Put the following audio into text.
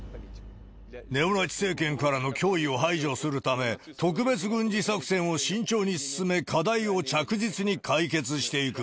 ネオナチ政権からの脅威を排除するため、特別軍事作戦を慎重に進め、課題を着実に解決していく。